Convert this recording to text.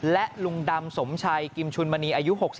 และลุงดำสมชัยกิมชุนมณีอายุ๖๒